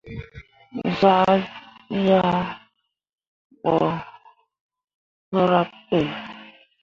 Zah ŋiah ɓo hǝraɓ ɓe.